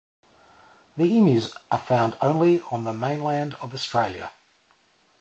The emus are found only on the mainland of Australia.